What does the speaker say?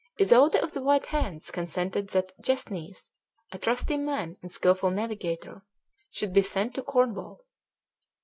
Isoude of the White Hands consented that Gesnes, a trusty man and skilful navigator, should be sent to Cornwall.